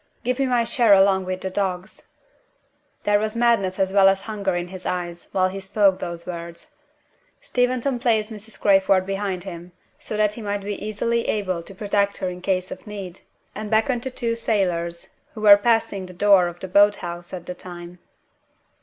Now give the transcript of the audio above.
"Give me my share along with the dogs." There was madness as well as hunger in his eyes while he spoke those words. Steventon placed Mrs. Crayford behind him, so that he might be easily able to protect her in case of need, and beckoned to two sailors who were passing the door of the boat house at the time.